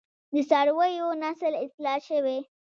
د څارویو نسل اصلاح شوی؟